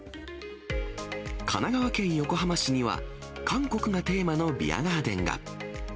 神奈川県横浜市には、韓国がテーマのビアガーデンが。